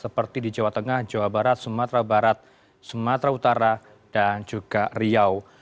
seperti di jawa tengah jawa barat sumatera barat sumatera utara dan juga riau